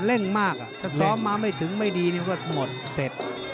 เร่งมากถ้าซ้อมมาไม่ถึงไม่ดีก็หมดเสร็จ